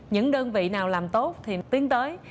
những đơn vị nào làm tốt thì tiến tới